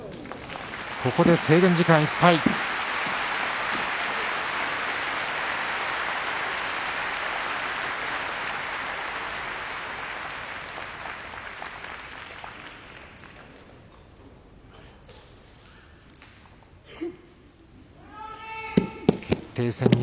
ここで制限時間いっぱいです。